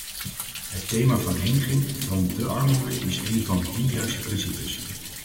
Het thema van leniging van de armoede is een van die juiste principes.